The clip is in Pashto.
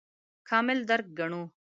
کامل درک ګڼو.